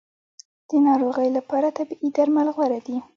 د ناروغۍ لپاره طبیعي درمل غوره دي